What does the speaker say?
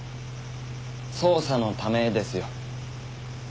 捜査のためですよ。